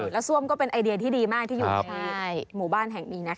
แล้วซ่วมก็เป็นไอเดียที่ดีมากที่อยู่ในหมู่บ้านแห่งนี้นะคะ